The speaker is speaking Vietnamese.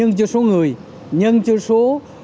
người nhân cho số